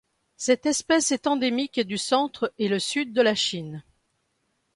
Cette espèce est endémique du centre et le sud de la Chine.